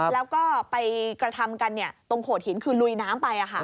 แล้วก็ไปกระทำกันตรงโขดหินคือลุยน้ำไป